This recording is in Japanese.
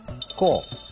こう？